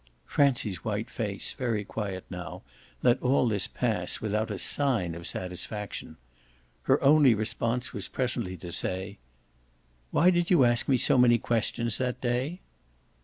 Francie's white face, very quiet now, let all this pass without a sign of satisfaction. Her only response was presently to say: "Why did you ask me so many questions that day?"